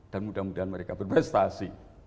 dan mudah mudahan mereka berprestasi